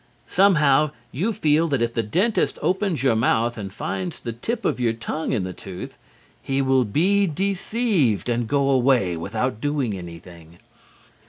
Somehow you feel that if the dentist opens your mouth and finds the tip of your tongue in the tooth, he will be deceived and go away without doing anything.